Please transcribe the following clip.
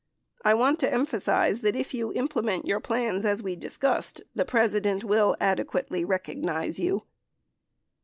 I want to emphasize that if you implement your plans as we discussed, the President will adequately recognize you.